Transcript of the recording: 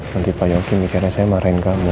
nanti pak yongki mikirin saya maren kamu